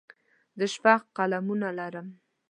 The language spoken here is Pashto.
زه شپږ قلمونه لرم.